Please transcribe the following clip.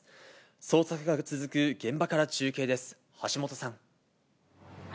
捜索が続く現場から中継です。